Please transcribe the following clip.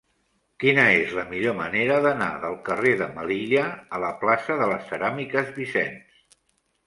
Quina és la millor manera d'anar del carrer de Melilla a la plaça de les Ceràmiques Vicens?